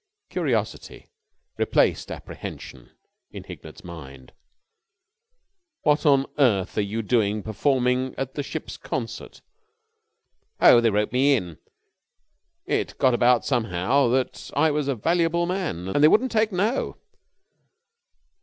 Curiosity replaced apprehension in Hignett's mind. "What on earth are you doing performing at the ship's concert?" "Oh, they roped me in. It got about somehow that I was a valuable man and they wouldn't take no."